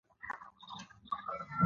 د برېټانیا تاریخ له شخړو او جګړو ډک دی.